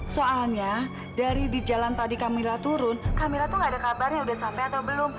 soalnya dari di jalan tadi kamila turun kamila tuh gak ada kabar yang udah sampai atau belum